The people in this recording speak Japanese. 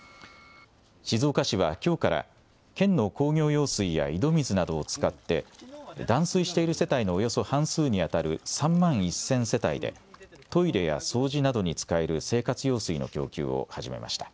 静岡市はきょうから県の工業用水や井戸水などを使って、断水している世帯のおよそ半数に当たる３万１０００世帯で、トイレや掃除などに使える生活用水の供給を始めました。